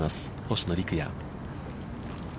星野陸也。